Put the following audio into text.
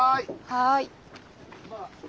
はい！